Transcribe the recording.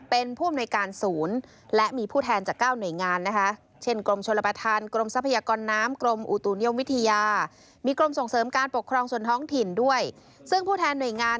เป็นผู้อำนวยการศูนย์และมีผู้แทนจาก๙หน่วยงาน